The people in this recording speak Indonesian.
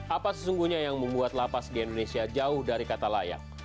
apa sesungguhnya yang membuat lapas di indonesia jauh dari kata layak